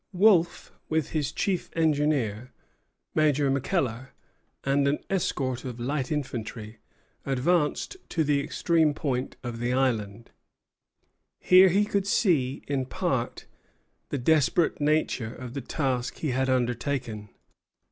Wolfe, with his chief engineer, Major Mackellar, and an escort of light infantry, advanced to the extreme point of the island. Here he could see, in part, the desperate nature of the task he had undertaken.